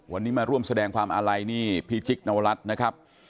วันนี้มาร่วมแสดงความอาลัยนี่พี่จิ๊กนวรัฐนะครับ